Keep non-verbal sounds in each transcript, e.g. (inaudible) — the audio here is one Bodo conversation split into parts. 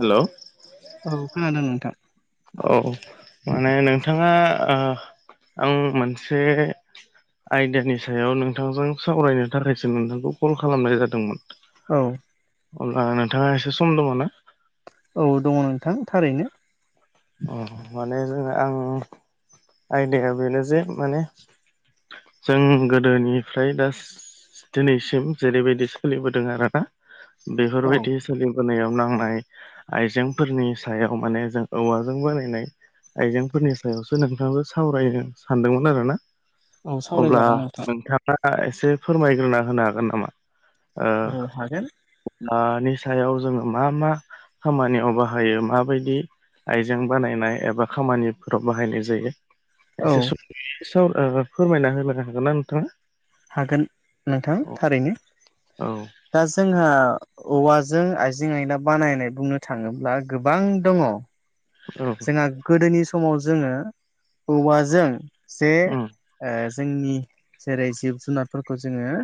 हेलौ औ खोनादों नोंथां औ माने नोंथाङा ओ उम मोनसे आयडियानि सायाव नोंथांजों सावरायनो थाखायसो नोंथांखौ कल खालामनाय जादोंमोन औ अब्ला नोंथांङा एसे सम दंङ ना औ दंङ नोंथां थारैनो अ माने जो आं आइदाया बेनो जे माने जों गोदोनिफ्राय दा दिनैसिम जेरैबायदि सोलिबोदों आरो ना औ बेफोरबायदि सोलिबोनायाव नांनाय आइजेंफोरनि सायाव माने जों औवाजों बानायनाय आइजेंफोरनि सायावसो नोंथाजों सावरायनो सानदोंमोन आरो ना औ अब्ला सावरायजागोन नोंथां नोंथांङा एसे फोरमायग्रोना होनो हागोन नामा औ हागोन। ओ नि सायाव जोंङो मा मा खामानियाव बाहायो माबायदि आइजें बानायनाय एबा खामानिफोराव बाहायनाय जायो औ एसे स बेनि सायाव फोरमायना होनो हागोन ना नोंथां हागोन नोंथां थारैनो औ दा जोंहा औवाजों आइजें आयला बानायनाय बुंनो थाङोब्ला गोबां दंङ जोंहा गोदोनि समाव जोंङो औवाजों जे उम ओ जोंनि जेरै जिब जुनारफोरखौ जोङो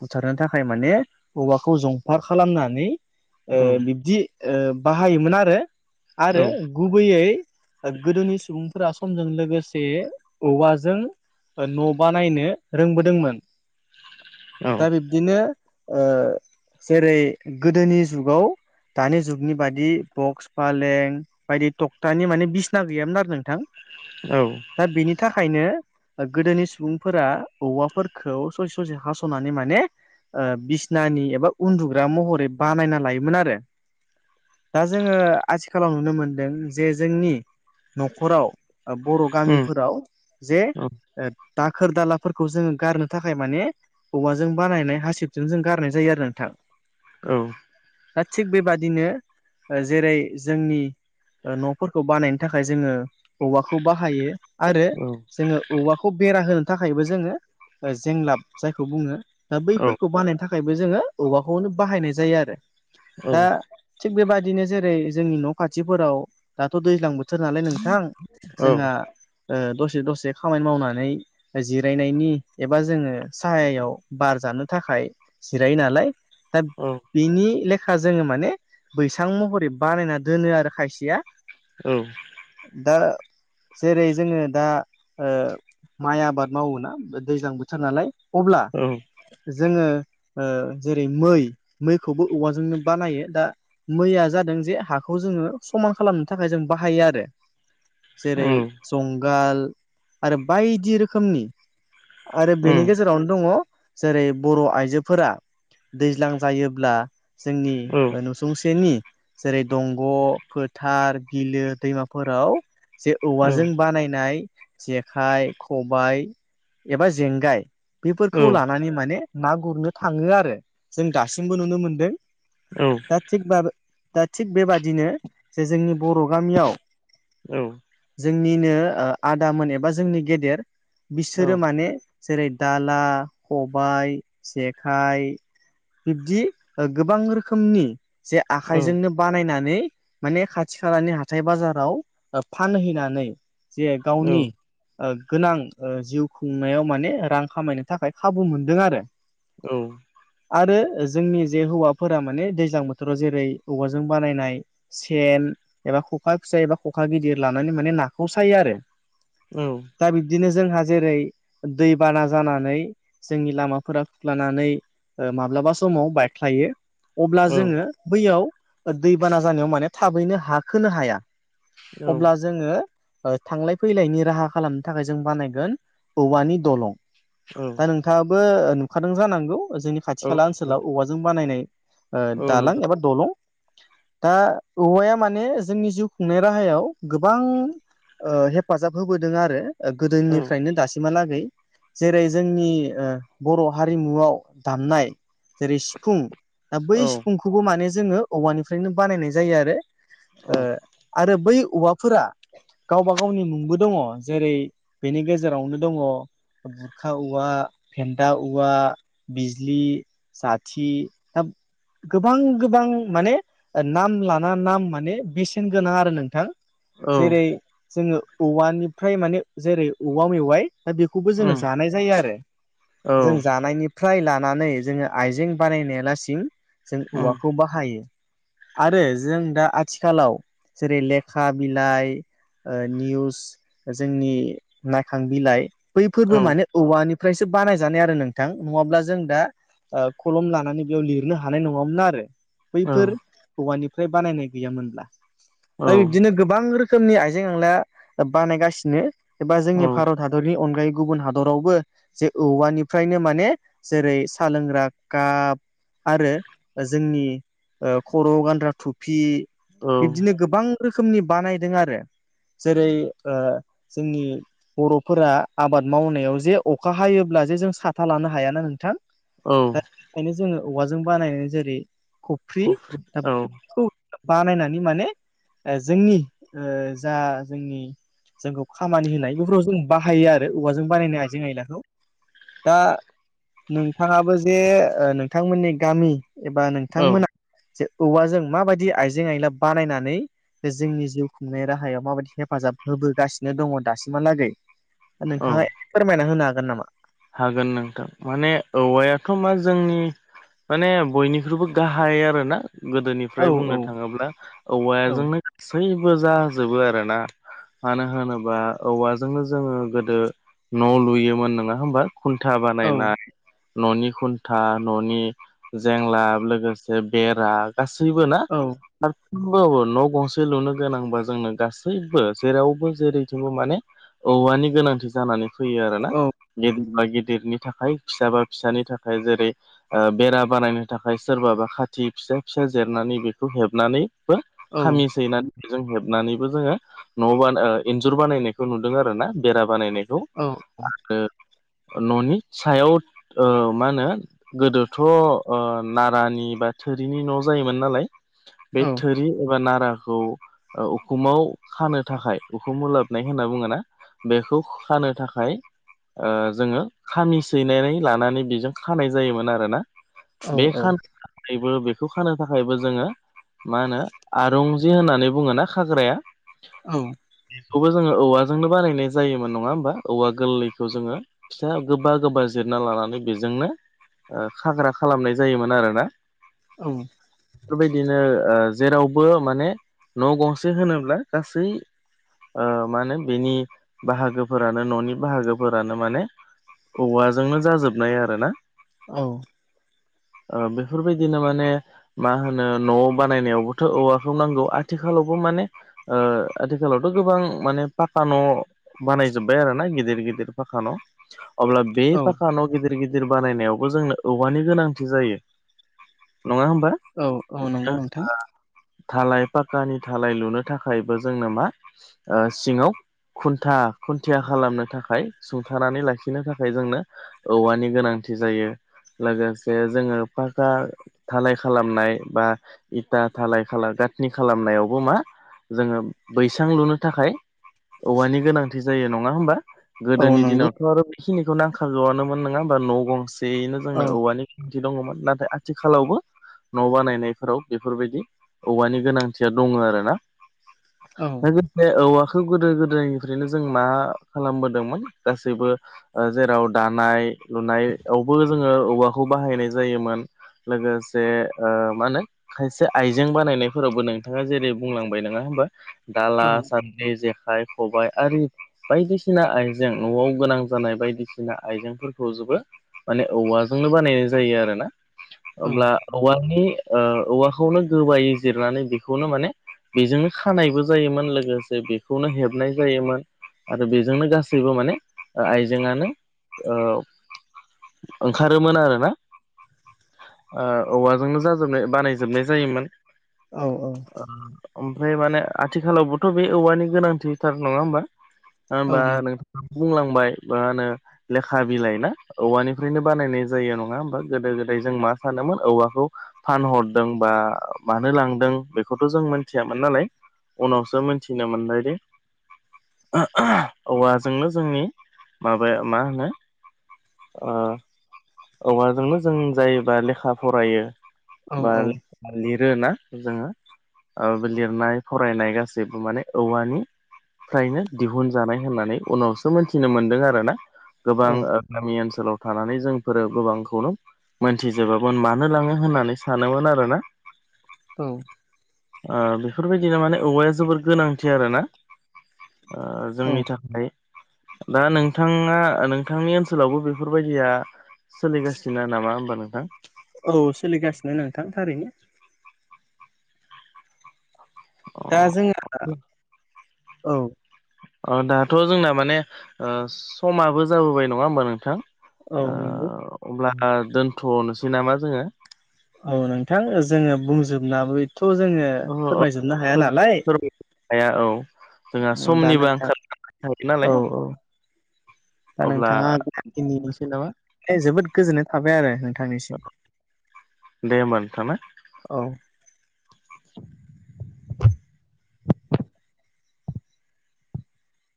बुथारनो थाखाय माने औवाखौ जंफार खालामनानै ओ औ बिब्दि बाहायोमोन आरो आरो गुबैयै ओ गोदोनि सुबुंफोरा समजों लोगोसे औवाजों न' बानायनो रोंबोदोंमोन औ दा बे बिदिनो ओ जेरै गोदोनि जुगाव दानि जुगनि बादि बक्स फालें बायदि टकटानि माने बिसना गैयामोन आरो नोंथां औ दा बेनि थाखायनो गोदोनि सुबुंफोरा औवाफोरखौ ससे ससे हास'नानै माने बिसनानि एबा उन्दुग्रा महरै बानायना लायोमोन आरो दा जोङो आथिखालाव नुनो मोनो जे जोंनि न'खराव बर' उम गामिफोराव जे औ दाखोर दालाफोरखौ जोंङो गारनो थाखाय माने औवाजों बानायनाय हासिबजों जों गारनाय जायो आरो नोंथां औ दा थिग बेबादिनो जेरै जोंनि न'फोरखौ बानायनो थाखाय जोंङो औवाखौ बाहायो आरो जोंङो औवाखौ बेरा होनो थाखायबो जोंङो जेंलाब जायखौ बुंङो दा औ बैफोरखौ खौ बानायनो थाखायबो जोङो औबवाखौनो बाहायनाय जायो आरो औ दा थिग बेबायदिनो जेरै जोंनि न' खाथिफोराव दाथ' दैज्लां बोथोर सोर नलाय नोंथां जोंहा दसे दसे खामानि मावनानै जिरायनायनि एबा जोङो साहायाव बार जानो थाखाय जिरायो नालाय दा औ बिनि लेखा जोंङो माने बैसां महरै बानायना दोनो आरो खायसिया औ दा जेरै जोंङो दा माइ आबाद मावोना दैज्लां बोथोर नालाय अब्ला औ जोङो जेरै मै मैखौबो औवाजोंनो बानायो दा मैया जादों जे हाखौ जोंङो समान खालामनो थाखाय जों बाहायो आरो जेरै उम जं आरो बायदि रोखनि आरो बेनि गेजेर जेरावनो दङ जेरै बर' आइजोफोरा दैज्लां जायोब्ला जोंनि औ नुसुंसेनि जेरै दंग' फोथार बिलो दैमाफोराव जे औ औवाजों बानायनाय जेखाइ खबाइ एबा जेंगाय औ बेफोरखौ लानानै माने ना गुरनो थाङो आरो जों दासिमबो नुनो मोनदों औ दा थिग दा थिग बेबादिनो जे जोंनि बर' गामियाव औ जोंनिनो आदामोन एबा जोंनि गेदेर बिसोरो माने जेरै दाला खबाइ जेखाइ बिब्दि गोबां रोखोमनि जे आखाइजोंनो बानायनानै माने खाथि खालानि हाथाय बाजाराव फानहैनानै जे औ गावनि गोनां जिउ खुंनायाव माने रां खामायनो थाखाय खाबु मोनदों आरो औ आरो जोंनि जे हौवाफोरा माने दैज्लां बोथोराव जेरै औवाजों बानायनाय सेन एबा खखा फिसा एबा खखा गिदिर लानानै माने नाखौ सायो आरो औ दा बिब्दिनो जोंहा जेरै दैबाना जानानै जोंनि लामाफोरा खुख्लानानै माब्लाबा समाव बायख्लायो अब्ला जोङो बैयाव दैबाना जानायाव माने थाबैनो हाखोनो हाया औ अब्ला जोङो थांलाय फैलायनि राहा खालामनो थाखाय जों बानायगोन औवानि दलं औ दा नोंथाङाबो नुखादों जानांगौ जोंनि औ खाथि खाला ओनसोलाव औवाजों बानायनाय औ दालां नुदों एबा दलं दा औवाया माने जोंनि जिउ खुंनाय राहायाव गोबां ओ हेफाजाब होबोदों आरो औ गोदोनिफ्रायनो दासिमहालागै जेरै जोंनि ओ बर' हारिमुआव दामनाय जेरै सिफुं दा बै औ सिफुंखौबो माने जोङो औवानिफ्रायनो बानायनाय जायो आरो ओ आरो बै औवाफोरा गावबा गावनि मुंबो दङ जेरै बेनि गेजेरावनो दङ बुरखा औवा फेथा औवा बिजलि जाथि दा गोबां गोबां माने नाम लाना नाम माने बेसेन गोनां आरो नोंथां औ जेरै जोङो औवानिफ्राय माने जेरै औवा मेवाइ दा बेखौबो उम औ जोङो उम जानाय जायो आरो औ जों जानायनिफ्राय लानानै जोङो आइजें बानायनायाव लासिम जों औवाखौ बाहायो आरो जों दा आथिखालाव जेरै लेखा बिलाइ निउस जोंनि नायखां बिलाइ बैफोरबो मानो औवानिफ्रायसो बानायजानाय आरो नोंथां नङाब्ला जों दा कलम लानानै बेयाव लिरनो हानाय नङामोन आरो बैफोर औवानिफ्राय बानायनाय गैयामोनब्ला दा बिदिनो गोबां रोखोमनि आइजें आयला बानायगासिनो एबा जोंनि औ भारत हादरनि अनगायै गुबुन हादरावबो जे औवानिफ्रायनो माने जेरै साहा लोंग्रा काब आरो जोंनि खर'आव गानग्रा थफि औ बिब्दिनो गोबां रोखोमनि बानायदों आरो जेरै ओ जोंनि बर'फोरा आबाद मावनायाव जे अखा हायोब्ला जे जों साथा लानो हायाना नोंथां औ ओंखायनो जोङो औवाजों बानायो जेरै खफ्रि खौ बानायनानै माने जोंनि ओ जा जोंनि जोंखौ खामानि होनाय बेफोरखौ जों बाहायो आरो औवाजों बानायनाय आइजें आयलाखौ दा नोंथाङाबो जे नोंथांमोननि गामि एबा औ नोंथांमोना जे औवाजों माबायदि आइजें आयला बानायनानै जोंनि जिउ खुंनाय राहायाव माबायदि हेफाजाब होबोगासिनो दङ दासिमहालागै बा औ नोंथाङा फोरमायना होनो हागोन नामा हागोन नोंथां माने औवायाथ' मा जोंनि माने बयनिख्रुइबो गाहाय आरो ना गोदोनि औ ओमफ्राय बुंनो औ थाङोब्ला औ औवाजोंनो गासैबो जाजोबो आरोना मानो होनोबा औवाजोंनो जोङो गोदो न' लुयोमोन नङा नङा होमबा खुन्था औ बानायनाय न'नि खुन्था न'नि जेंलाब लोगोसे बेरा गासैबो ना औ फारफ्रोमबाबो न' गंसे लुनो गोनांबा जोंनो गासैबो जेरावबो जेरैथिंबो माने औवानि गोनांथि जानानै फैयो आरो ना औ गिदिर बा गिदिरनि थाखाय फिसा बा फिसानि थाखाय जेरै ओ बेरा बानायनो थाखाय सोरबाबा खाथि फिसा फिसा जेरनानै बेखौ हेबनानै बो औ खामि‌ सैना जों हेबनानैबो जोङो न' बा इन्जुर बानायनायखौ नुदों आरो ना बेरा बानायनाय खौ औ आरो न'नि सायाव ओ मा होनो गोदोथ' ओ नारानि बा थोरिनि न' जायोमोन नालाय बे औ थोरि एबा नाराखौ औ उखुमाव खानो थाखाय उखुम ओलाबनाय होनना बुङो ना बेखौ खानो थाखाय ओ जोङो खामि सैनानै लानानै बेजों खानाय जायोमोन आरोना औ बे खानो (unintelligible) थाखायबो बेखौ खानो थाखायबो जोङो मा होनो आरुंजि होननानै बुङो ना खाग्राया औ बेखौबो जोङो औवाजोंनो बानायनाय जायोमोन नङा होमबा औवा गोरलै खौ जोङो फिथ गोबा गोबा जिरना लानानै बेजोंनो ओ खाग्रा खालामनाय जायोमोन आरो ना औ बेफोरबायदिनो जेरावबो माने न' गंसे होनोब्ला गासै मा होनो बेनि बाहागोफोरानो न'नि बाहागो फोरानो माने औवाजोंनो जाजोबनाय आरो ना औ ओ बेफोरबायदिनो माने मा होनो न'आव बानायनायावबोथ' औवाखौ नांगौ आथिखालावबो माने आथिखालावथ' गोबां माने पाका न' बानायजोब्बाय आरो ना गिदिर गिदिर फाखा अब्ला बे औ फाखा गिदिर गिद दिर बानायनायावबो जोंनो औवानि गोनांथि जायो नङा होमबा औ-औ ओ नंगौ नोंथां धालाय पाक्कानि थालाय लुनो थाखायबो जोंनो मा ओ सिङाव खुन्था खुन्थिया खालामनो थाखाय सुंथानानै लाखिनो थाखाय जोंनो औवानि गोनांथि जायो लोगोसे जोङो पाका धालाय खालामनाय बा इथा धालाय खालाम गाथनि खालामनायावबो मा जोङो बैसां लुनो थाखाय औवानि गोनांथि जायो नङा होमबा औ गोदोनि नंगौ दिनावथ' आरो बेखिनिखौ नांखागौ आनोमोन नङा होमबा न गंसेयैनो औ जोंनो औवानि बिदि दङमोन नाथाय आथिखालावबो न' बानायनायफोराव बेफोरबायदि औवानि गोनांथिया दङ आरोना औ (unintelligible) औवाखौ गोदो गोदायनिफ्रायनो जों मा खालामबोदोंमोन गासैबो जेराव दानाय लुनायावबो जोङो औवाखौ बाहायनाय जायोमोन लोगोसे मा होनो खायसे आइजें बानायनायफोरावबो नोंथाङा जेरै बुंलांबाय नङा होमबा औ दाला सान्द्रिर जेखाइ खबाइ आरि बायदिसिना आय जों न'वाव गोनां जानाय बायदिसिना आइजेंफोरखौ जोबो माने औवाजोंनो बानायनाय जायो आरोना औ अब्ला औवानि औवाखौनो गोबायै जिरनानै बेखौनो माने बेजोंनो खानायबो जायोमोन लोगोसे बेखौनो हेबनाय जायोमोन आरो बेजोंनो गासै गासैबो माने आइजेंआनो ओंखारोमोन आरो ना ओ औवाजोंनो जाजोबनाय बानायजोबनाय जायोमोन औ ओमफ्राय माने आथिखालावबोथ' बे औवानि गोनांथिथार नङा होमबा होमबा नों (unintelligible) बुंलांबाय मा होनो लेखा बिलाइ ना औवानिफ्रायनो बानायनाय जायो नङा ओमबा गोदो गोदाय जों मा सानोमोन औवाखौ फानहरदों बा मानो लांदों बेखौथ' जों मिथियामोन नालाय उनावसो मिथिनो मोनबाय दे औवा जोंनो जोंनि माबाया मा होनो औवाजोंनो जों जायोबा लेखा फरायो औ बा लिरो ना जोङो बे लिरनाय फरायनाय गासैबो माने औवानि फ्रायनो दिहुनजानाय होननानै उनावसो मोनथिनो मोनदों आरोना गोबां औ गामि ओनसोलाव थानानै जों फोरो गोबांखौनो मोनथिजोबोमोन मानो लाङो होननानै सानोमोन आरोना औ बेफोरबायदिनो माने औवाया जोबोर गोनांथि आरो ना ओ औ जोंनि थाखाय दा नोंथाङा नोंथांनि ओनसोलावबो बेफोरबायदिया सोलिगासिनो नामा होमबा नोंथां औ सोलिगासिनो नोंथां थारैनो दा जोंहा औ अ दाथ' जोंना माने ओ समाबो जाबोबाय नङा होमबा नोंथां औ नंगौ अब्ला दोनथ'नोसै नामा जोङो औ नोंथां जोङो बुंजोबनाबो थ' जोङो ओ ओ फोरमायजोबनो हाया नालाय फोजोबनो हाया औ जोंहा दा समनिबो नोंथां आंखाल थायो नालाय औ औ दा अब्ला नोंथाङा जा दोननोसै नामा खिनि जोबोद गोजोननाय थाबाय आरो नोंथांनिसिम दे ओमबा नोंथां ना औ